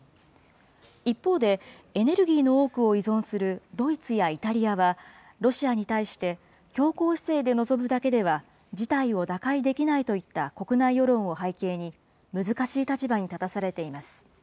一方で、エネルギーの多くを依存するドイツやイタリアは、ロシアに対して、強硬姿勢で臨むだけでは事態を打開できないといった国内世論を背景に、難しい立場に立たされています。